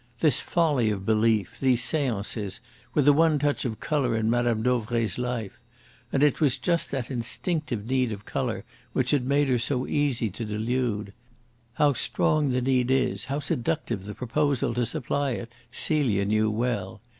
This folly of belief, these seances, were the one touch of colour in Mme. Dauvray's life. And it was just that instinctive need of colour which had made her so easy to delude. How strong the need is, how seductive the proposal to supply it, Celia knew well.